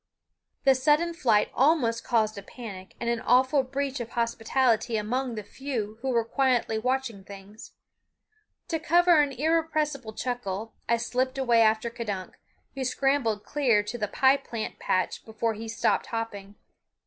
The sudden flight almost caused a panic and an awful breach of hospitality among the few who were quietly watching things. To cover an irrepressible chuckle I slipped away after K'dunk, who scrambled clear to the pie plant patch before he stopped hopping.